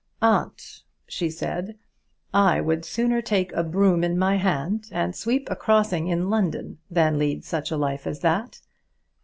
"Aunt," she said, "I would sooner take a broom in my hand, and sweep a crossing in London, than lead such a life as that.